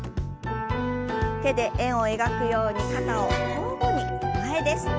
手で円を描くように肩を交互に前です。